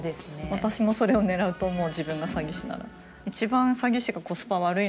私もそれを狙うと思う自分が詐欺師なら。